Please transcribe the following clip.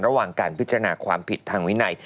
ระหว่างการพิจารณาความผิดทางวินัย